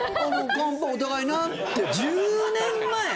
「お互いな」って１０年前？